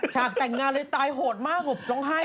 ฉากแต่งงานเลยตายโหดมากผมร้องไห้